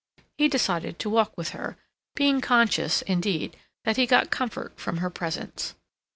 He decided to walk with her, being conscious, indeed, that he got comfort from her presence.